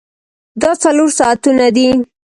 دا څلور ساعتونه دي.